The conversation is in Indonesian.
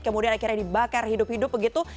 kemudian akhirnya dibakar hidup hidup begitu